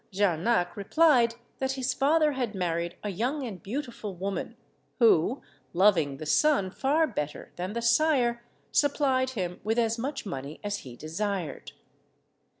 Jarnac replied, that his father had married a young and beautiful woman, who, loving the son far better than the sire, supplied him with as much money as he desired.